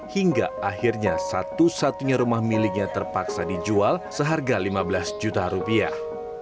hingga akhirnya satu satunya rumah miliknya terpaksa dijual seharga lima belas juta rupiah